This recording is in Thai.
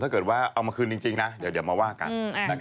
ถ้าเกิดว่าเอามาคืนจริงนะเดี๋ยวมาว่ากัน